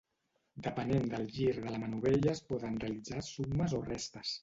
Depenent del gir de la manovella es poden realitzar summes o restes.